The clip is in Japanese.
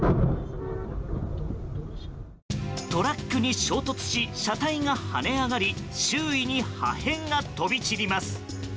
トラックに衝突し車体がはね上がり周囲に破片が飛び散ります。